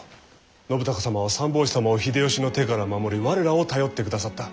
信孝様は三法師様を秀吉の手から守り我らを頼ってくださった。